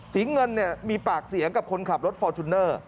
เงินมีปากเสียงกับคนขับรถฟอร์จูเนอร์